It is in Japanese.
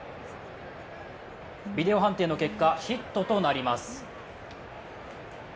ビデオ判定の結果ヒットとなります。